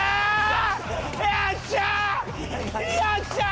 よっしゃー！